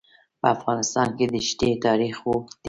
په افغانستان کې د ښتې تاریخ اوږد دی.